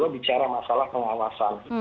kalau bicara masalah pengawasan